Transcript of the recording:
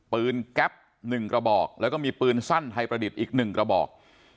แก๊ป๑กระบอกแล้วก็มีปืนสั้นไทยประดิษฐ์อีก๑กระบอก